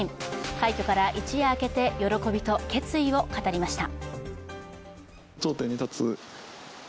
快挙から一夜明けて喜びと決意を語りました。